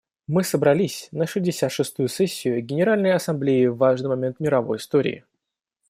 Мы собрались на шестьдесят шестую сессию Генеральной Ассамблеи в важный момент мировой истории.